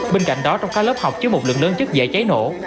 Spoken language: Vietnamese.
bên cạnh đó trong các lớp học chứa một lượng lớn chất dễ cháy nổ